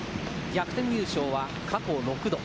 逆転優勝は過去６度。